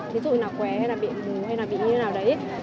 thí dụ như là què hay là bị mù hay là bị như thế nào đấy